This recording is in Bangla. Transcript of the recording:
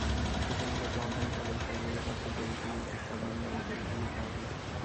এতে মূলত অনলাইনে সবাইকে একযোগে তথ্য-প্রযুক্তি ভিত্তিক সাধারণ জ্ঞানের পরীক্ষা দিতে হবে।